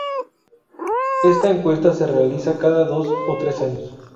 Esta encuesta se realiza cada dos o tres años.